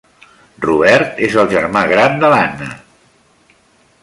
Robert: és el germà gran de l'Anna.